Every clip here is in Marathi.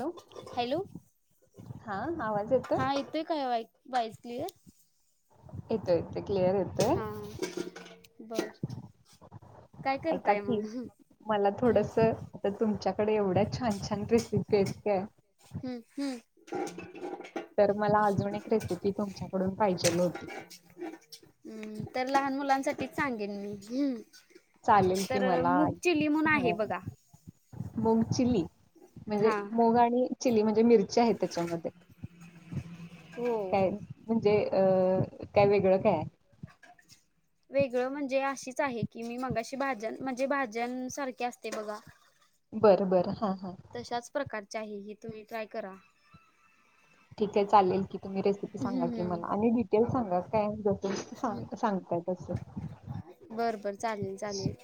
हॅलो हॅलो हा आवाज हा येतोय काय बाईस क्लिअर येतो येतो हा बरं ऐका की मला थोडंसं आता तुमच्याकडे एवढ्या छान छान रेसिपी आहेत काय हम्म हम्म तर मला अजून एक रेसिपी तुमच्याकडून पाहिजेल होती हम् तर लहान तेच सांगेन मी हम् चालेल की मला आहे हा बघा मुंग चिली म्हणजे हा मुग आणि चिली म्हणजे मिरची आहे त्याच्यामध्ये. हो काय म्हणजे अं काय वेगळं काये? [inaudible] वेगळं म्हणजे अशीच आहे की मी मगाशी भाजन म्हणजे भाज्यान सारखे असते बघा. बरं बर हा. तशाच प्रकारचे आहे हे तुम्ही ट्राय करा. ठीक आहे चालेल की तुम्ही रेसिपी हम्म सांगा की हम्म मला, आणि डिटेल् सांगा काय जसं हम्म सांगते, सांगते बरं बरं चालेल चालेल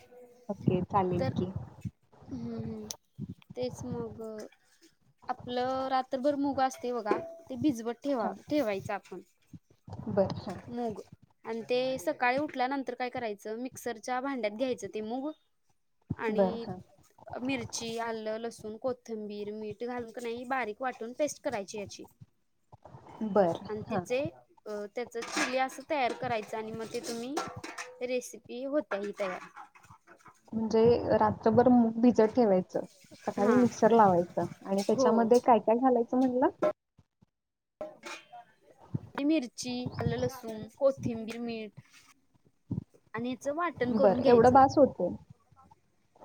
ओके, चालेल तर की. हम्म हम्म [inaudible] तेच मग आपलं रात्रभर मुग असतंय बघा ते भिजवत हां ठेवा ठेवायचं आपण. बरं हां मूग अन ते सकाळी उठल्यानंतर काय करायचं मिक्सरच्या भांड्यात घ्यायचं ते मूग बरं आणि हां मिरची, आलं, लसूण कोथंबीर, मीठ घालून का नाही बारीक वाटून पेस् करायची याची बरं आणि हां तिचे त्याचं चिली असं तयार करायचं आणि मग ते तुम्ही रेसिपी होतय ही तयार. म्हणजे रात्रभर मूग भिजत ठेवायचं, सकाळी हा मिक्सर लावायचं, आणि हो त्याच्यामध्ये काय काय घालायचं? म्हणलं आणि मिरची, आलं, लसूण कोथिंबीर, मीठ आणि याचं वाटण करून बरं एवढं घ्यायचं. बास होते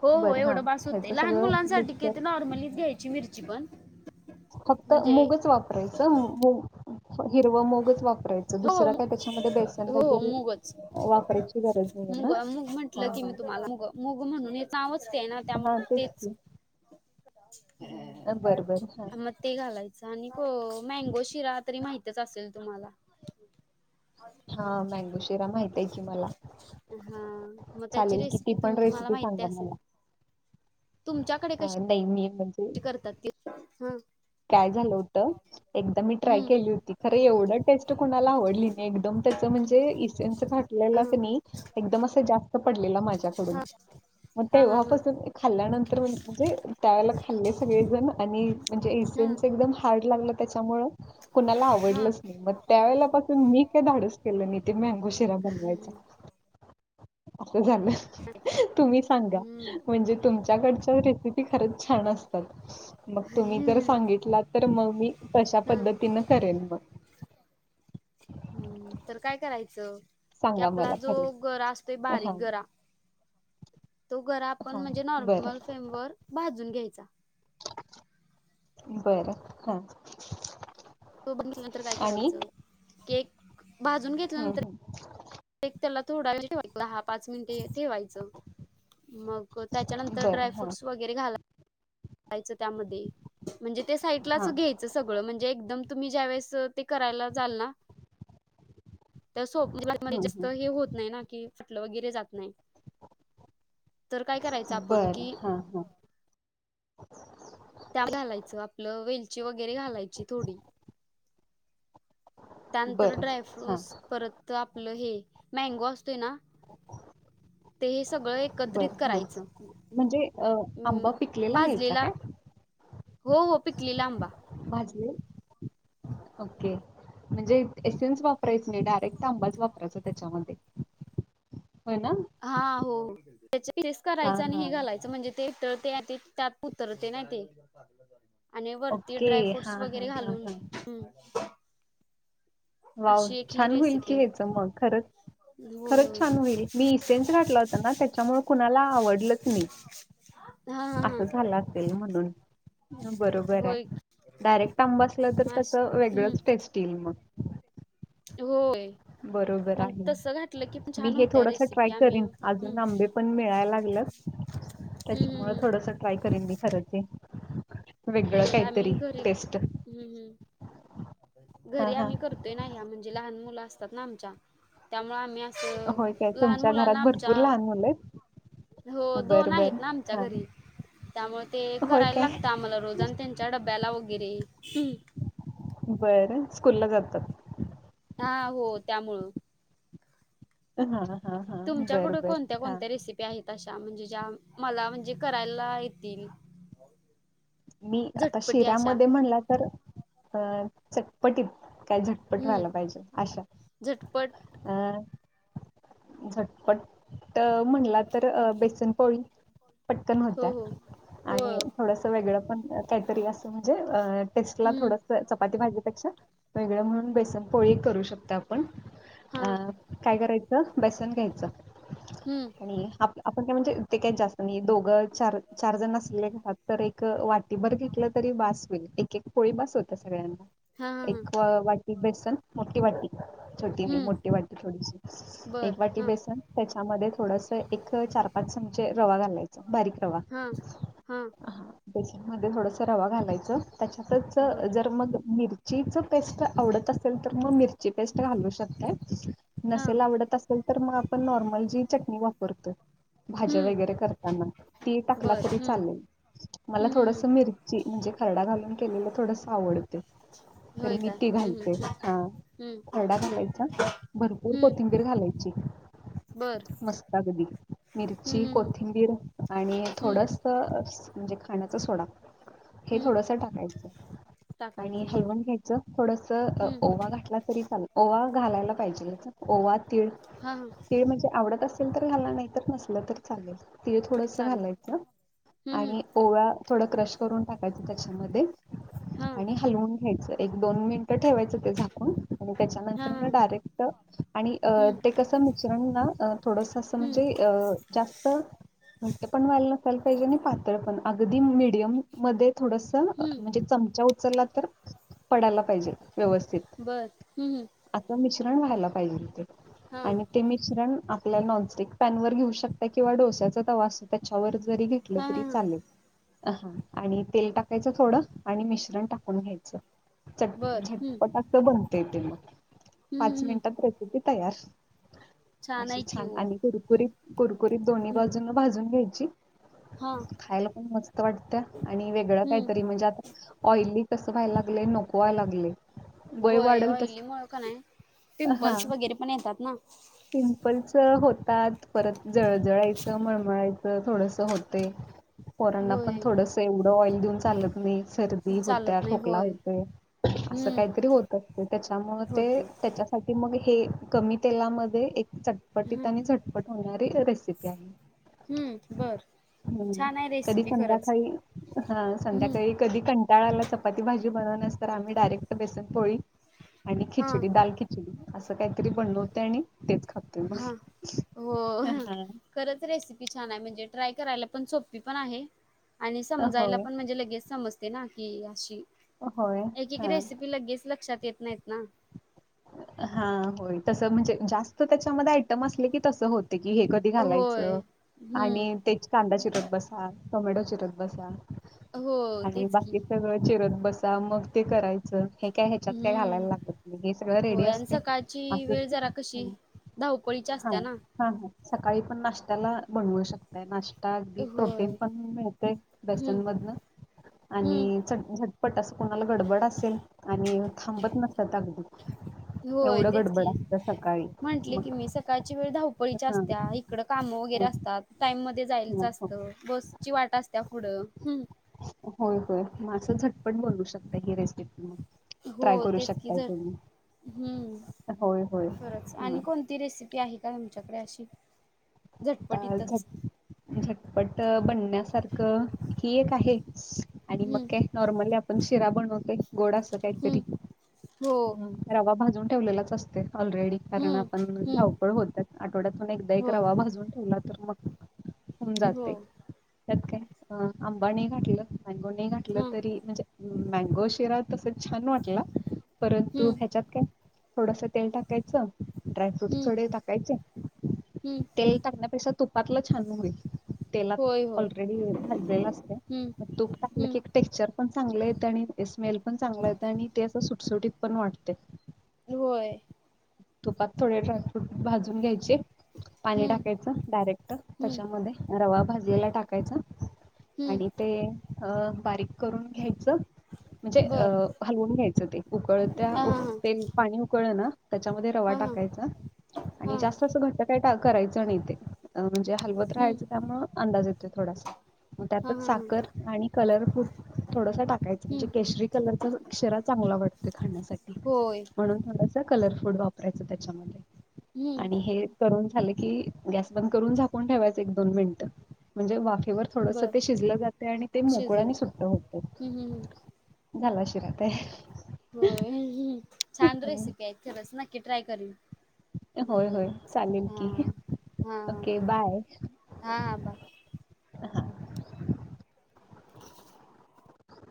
हो हो बरं हां एवढं बास होतय, ह्याचं लहान सगळं मुलांसाठी कि ते मिक्सर नॉर्मलीच घ्यायची मिरची पण. फक्त म्हणजे मूगच वापरायचं, हो हिरवा मूगच वाप हो मुगच, वापरायची गरज नाही आहे ना मूग म्हटलं हां की मी हां तुम्हाला मुग मुग म्हणून ना वच ते ना हां त्यामुळे तेच [inaudible] बरोबर हा आणिक मॅंगो शिरा तरी माहितच असेल तुम्हाला. हा मँगो शिरा माहित आहे की मला. हा मग त्याची चालेल की ती रेसिपी पण तुम्हां ला रेसिपी माहिती सांगा असेल. मला तुमच्याकडे कशी अ, नाही मी म्हणजे ती करतात ती हां काय झालं होतं एकदा मी ट्राय हम्म केली होती खरं, एवढं टेस्ट कोणाला आवडली नाही एकदम त्याच म्हणजे इसनच खाटलेला क नाही हा एकदम अस जास्त पडलेला माझ्याकडून मग हा हा हा तेव्हापासून खाल्ल्यानंतर म्हणजे त्यावेळेला खाल्ले सगळेजण आणि म्हणजे हा इसेन्स एकदम हार्ड लागलं त्याच्यामळं कुणाला हा आवडलंच हा नाही मग त्यावेेळेलापासून मी काय धाडस केलं नाही ते मँगो शिरा बनवायचा. [inaudible] काय झालं, तुम्ही सांगा हम्म म्हणजे तुमच्याकडच्या रेसिपी खरंच छान असतात. मग तुम्ही जर सांग हम्म सांगितला तर मग मी तशा हा पद्धतीन करेन मग. हम्म तर काय करायचं की सांगा आपला मला जो खरं गरा असतोय हा बारीक गरा तो गरा आपण हा म्हणजे बरं नॉर्मल फेम वर भाजून घ्यायचा. बरं हा तो बनल्या नंतर काय करायचं, केक भाजून हम्म घेतल्यानंतर हम्. एक त्याला थोडा वेळ. पाच मिनटे ठेवायचं मग त्याच्यानंतर बरं ड्राय हां फ्रूट्स वगैरे घाला. यच त्यामध्ये म्हणजे ते साईडलाच हां घ्यायचं सगळं म्हणजे एकदम तुम्ही ज्यावेेळेस ते करायला जाल ना. सोप जास्त हे होत नाही ना की फटलं वगैरे जात. नाही तर काय करायचं आपण बरं कि हां हां वेलची वगैरे घालायची थोडी त्यानंतर बरं हां ड्रायफ्रूटस परत आपलं हे मँगो असतोय ना. ते. सगळ एकत्रित बरं हां करायच म्हणजे अ, आंबा पिकलेला घ्यायचा भाजलेला काय हो हो पिकली ला आंबा. ज ओके. म्हणजे एसन्स वापरायच नाही डायरेक्ट तंबाच वापरायचा त्याच्यामध्ये हो ना. हा हो त्या तेच हा करायचं आणि हा हे घालायचं म्हणजे ते. ते ते त्यात उतरते नाही ते. आणि वरती ओके ड्राय हा फ्रूट्स हा वगैरे हा घालून हा वाह अशी एक ही छान होईल रेसिपी कि आहे ह्याच मग खरच खरच हो छान होईल मी. सेनस घटला होता ना त्याच्यामुळे कुणाला आवडलच नाही. हा हा असं हा झालं असेल म्हणून बरोबर होय आहे डायरेक्ट आंबासलं तर त्याच मस् हम्म वेगळंच टेस्ट येईल मग.. होय बरोबर मग आहे तसं घातलं की पण मी छान हे होत्या थोडसा ट्राय रेसिपी आम्ही करीन हम्म हम्म अजून आंबे पण मिळायला लागले.. त्याच्यामुळे हम्म थोडस ट्राय करेन मी खर वेगळं होय आम्ही काहीतरी घरी टेस्ट हम्म हम्म घरी हां हां आम्ही करतोय नाही म्हणजे लहान मुलं असतात ना आमच्या त्यामुळे आ अस होय काय लहान तुमच्या मुलांना घरात आमच्या भरपूर लहान मुलं आहेत हो दोन बरं बरं आहेत ना आमच्या हां घरी त्यामुळे ते होय करायला काय लागतं आम्हाला रोज आणि त्यांच्या डब्याला वगैरे बर स्कूलला जातात हा हो त्यामुळं ह ह तुमच्याकड कोणत्या कोणत्या रेसिपी आहेत अशा म्हणजे मला म्हणजे करायला येतील मी आता झटपटी अशा शिऱ्यामध्ये म्हणला तर अ चटपटीत काय झटपट हम्म व्हाला पाहिजे आशा झटपट अं झटपट म्हणला तर बेसनपोळी पटकन हो होत्या हो हो आणि थोडसं वेगळं पण काहीतरी असं म्हणजे अ टेस्टला हम्म थोडस चपाती भाजीपेक्षा वेगळं म्हणून बेसन पोळी करू शकता आपण हां अ काय करायचं बेसन घ्यायचं हम्म आणि आपण काय म्हणजेे काही जास्त नाही दोघं चार चार जण असलेात तर एक वाट टीभर घेतलं तरी बस होईल एक एक पोळी बस होता सगळ्यांना हां हां हां एक वाट बेसन मोठी वाटी छोटी नाही हम्म मोठी वाटी थोडीशी एक बरं वाटी हां बेसन त्याच्यामध्ये थोडस एक चार पाच चमचे रवा घालायच बारीक रवा हां हां मध्ये थोडस रवा घालायचं त्याच्यातच बरं जर मग मिरचीचं पेस्ट आवडत असेल तर मग मिरची पेस्ट घालू शकते हां नसेल आवडत असेल तर मग आपण नॉर्मल जी चटणी वापरतो भा हम्म वगरे करताना त टाकला बरं तरी हम्म चालेल मला हं, हं, थोडस मिरची म्हणजे खड घालून केलेला थोडस आवडते हं तर होय मी काय ती हं, घालते हा हं, हं, खरडा घालायचा भरपूर पोथं र घालायची बर मस्त अगदी मिरची हं, कोथिंबीर आणि हं, थोडस म्हणजे खाण्याचा सोडा हे हं थोडस टाकायचं आणि टाकायचं बरं हलवुण घ्यायचं थोडस हं ओवा घातला तरी चाल ओवा घालायला पाहिजे ओवा तीळ हां हां तीळ म्हणजे आवडत असेल तर घायला नाही तर नसलं तर चालेल तीळ थोडस चालेल घालायचं हं, हं आणि ओव्या थोड क्रश करून टाकायचं त्याच्यामध्ये हां आणि हलवून घ्यायचं एक दोन मिनिटं ठेवायचं ते झाकून आणि हां त्याच्यानंतर हां डायरेक्ट आणि अ हं, ते कसं मिश्रण ना थोडस असं म्हणजे हं, अ जास्त घट पण व्हाय असायला पाहिजे आणि पातळ पण अगदि मिडियम मध्ये थोडसं हं म्हणजे चमचा उचला तर पडायला पाहिजे व्यवस्थित बरं हं, हं पण व्हायला पाहिजेल हां आणि ते मिश्रण आपल्या नॉनस्टिक पॅन वर घेऊ शकता किंवा डोस्याचा तवा असतो त्याच्यावर जरी घेतलं हां तरी हां हां चालेल हा आणि तेल टाकायचं थोडं आणि मिश्रण टाकून घ्यायचं चट बरं हं, झटपटाक बनते येते मग हं, पाच हं, हं मिनिटात रेसिपी तयार अशी आहे कि छान ओ आणि हम्म कुरकुरीत कुरकुरीत दोन्ही हम्म बाजूनं भाजून घ्यायची हा खायला पण मस्त वाटत आणि वेगळं हम्म काहीतरी म्हणजे आता ऑइली कस व्हाय लागले नको व्हाय लागले वय होय वाढल तस ऑइली मुळ का नाय पिंपल्स वगैरे पण येतात ना पिंपलच होतात परत जळजळायचं मळमळायच थोडस होते पोरांना पण होय थोडस एवढं ऑइल देऊन चालत नाही सर्दी होत्या चालत नाही खोकला होय होत असं हम्म काहीतरी होत असते त्याच्यामुळ ते होते त्याच्या साठी मग हे कमी तेलामध्ये एक चटपटीत हम्म आणि झटपट होणारी रेसिपी आहे हम्म बर हम्म छान आहे कधी रेसिपी खरंच संध्याकाळी हा हम्म संध्याकाळी कधी क बाळाला चपाती भाजी बनव नस तर आम्ही डायरेक्ट बेसन पोळी आणि हा खिचडी दाल खिचडी असं काहीतरी बणवते आणि तेच खातोय हा मग हो करत रेसिपी छान आहे म्हणजे ट्राय करायला पण सोपी पण आहे आणि हा समजायला होय पण म्हणजे लगेच समजते ना की अशी होय एक एक हा रेसिपी लगेच लक्षात येत नाहीत ना हा होय तस म्हणजे जास्त त्याच्यामध्ये आयटम असले की तस होत की हे कधी होय घालायचं हम्म आणि तेच कांदा चिरत बसा टोमॅटो चिरत बसा हो, आणि तेच की. बाकी सगळं चिरत बस मग ते करायचं हे काय ह्याच्यात काय हं. घालायला लागत रेडि होय आणि असत्या सकाळची असच वेळ जरा कशी धावपळीची ह असत्या ना. हं सकाळी पण नाश्त्याला बनवू शकतय नाश् ता अगदी प्रोटीन होय. पण मिळतेय बेसन हं, मधन हं. आणि चट पट असं कोणाला गडबड असेल आणि थांबत नसत अगदी होय एवढं तेच गडबड की असतं सकाळी म्हंटले की मग मी सकाळची वेळ धावपळीच्या हा असत्या इकड काम वगैरे मग असतात टाइम मध्ये जायच हा, हो. असत बस ची वाट असत्या पुढं हम् होय होय म असं झटपट बनवु शकता ही रेसिपी हो ट्राय करू तेच की शकताय जर तुम्ही हम्म होय होय खरच आणि कोणती रेसिपी आहे का तुमच्याकडे अशी आता झटपटीतच. झटपट बन पाण्यासारख ही एक आहे आणि मग हं, काय नॉर्मली आपण शिरा बनवतोय गोड असं काहीतरी हं. हो. रवा भाजून ठेवलेलाच असते ऑलरेडी कारण हं, आपण हं. धावपळ होतात आठवड्यातून एकदा एक होय, रवा भाजून ठेवला तर मग होन जाते हो. त्यात काय अ आंबानी घाठलं मँगो नाही घटलं हं, तरी म्हणजे मँगो शिरा तस छान वाटला परंतु हं. ह्याच्यात काय थोडस तेल टाकायचं ड्रायफ्रूट हम्म थोडे टाकायचे हम्म तेल टाकण्यापेक्षा तुपातलं छान होईल तेलात होय होय ऑलरेडी भाजलेला असते हम्म मग तूप टाकलं की हम्म टेक्चर पण चांगले येत आणि स्मेल पण चांगला येत आणि ते असं सुटसुटीत पण वाटते होय तुपात थोडे ड्रायफ्रूट भाजून घ्यायचे पाणी हम्म टाकायचं डायरेक्ट हम्म त्याच्यामध्ये रवा भाजीला टाकायचं आणि हम्म ते अ बारीक करून घ्यायचं म्हणजे अ बर हलवून घ्यायचं ते उकळत हा हा ते पाणी उकळलं ना त्याच्यामध्ये रवा हा हा टाकायचा हा आणि जास्त अस घट काय करायचं नाही ते म्हणजे हलवत हम्म राहायचं त्यामुळे अंदाज येतो थोडासा मग हा हा त्यातच हा साखर आणि कलरफूड थोडसा टाकायच म्हणजे हम्म केशरी कलरचा क्रा चांगला वाटतोय खाण्यासाठी होय म्हणून थोडासा कलरफुड वापरायचं त्याच्यामध्ये हम्म आणि हे ठ मि म्ह थोडस बर ते शिजलं जाते आणि ते शिजलं मोकळ्याने सुट्ट होत हम्म हम्म हम्म झाल शिरा तयार हो छान रेसिपी आहे खरच नक्की ट्राय करीन होय होय हम्म चालेल हा की हा ओके बाय हा हा बा